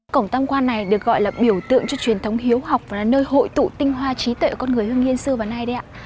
cổng tam quan này được gọi là biểu tượng cho truyền thống hiếu học và là nơi hội tụ tinh hoa trí tuệ con người hương yên xưa và nay đấy ạ